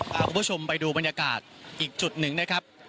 เราพบกันชมไปดูบรรยากาศอีกจุดนึงนะครับ